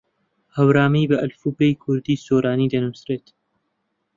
هەورامی بە ئەلفوبێی کوردیی سۆرانی دەنووسرێت.